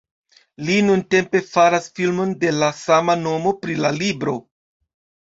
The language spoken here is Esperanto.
Li nuntempe faras filmon de la sama nomo pri la libro.